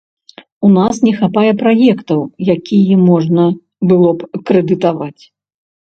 У нас не хапае праектаў, якія можна было б крэдытаваць.